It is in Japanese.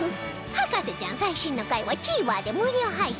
『博士ちゃん』最新の回は ＴＶｅｒ で無料配信